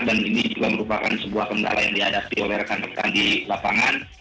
dan ini juga merupakan sebuah kendala yang diadapi oleh rekan rekan di lapangan